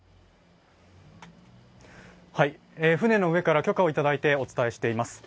船の上から許可をいただいてお伝えしています。